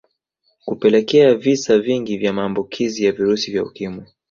Kupelekea visa vingi vya maambukizi ya virusi vya Ukimwi